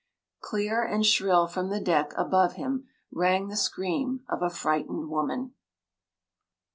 Clear and shrill from the deck above him rang the scream of a frightened woman.